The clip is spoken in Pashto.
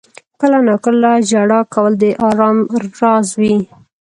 • کله ناکله ژړا کول د آرام راز وي.